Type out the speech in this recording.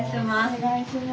お願いします。